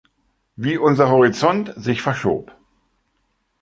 Wie unser Horizont sich verschob.